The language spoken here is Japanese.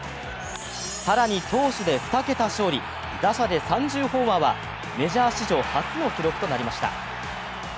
更に、投手で２桁勝利打者で３０ホーマーはメジャー史上初の記録となりました。